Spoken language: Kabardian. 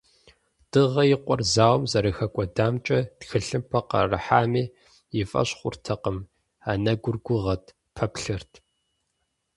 Дыгъэ и къуэр зауэм зэрыхэкӏуэдамкӏэ тхылъымпӏэ къыӏэрыхьами, и фӏэщ хъуртэкъым, анэгур гугъэт, пэплъэрт.